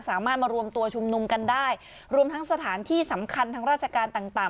สามารถมารวมตัวชุมนุมกันได้รวมทั้งสถานที่สำคัญทางราชการต่างต่าง